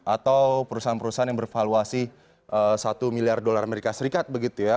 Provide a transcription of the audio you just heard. atau perusahaan perusahaan yang bervaluasi satu miliar dolar amerika serikat begitu ya